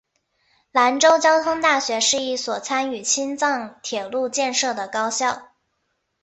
兰州交通大学是第一所参与青藏铁路建设的高校。